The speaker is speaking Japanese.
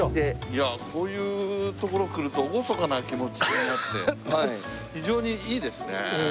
いやこういう所来ると厳かな気持ちになって非常にいいですねえ。